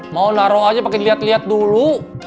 mau naro aja pakai dilihat lihat dulu